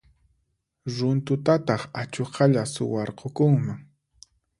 Runtutataq achuqalla suwarqukunman.